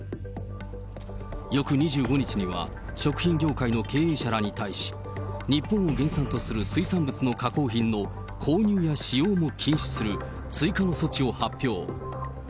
翌２５日には、食品業界の経営者らに対し、日本を原産とする水産物の加工品の購入や使用も禁止する追加の措置を発表。